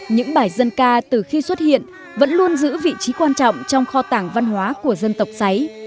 những bài dân ca từ khi xuất hiện vẫn luôn giữ vị trí quan trọng trong kho tàng văn hóa của dân tộc sáy